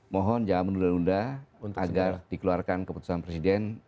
mohon jangan menunda nunda agar dikeluarkan keputusan presiden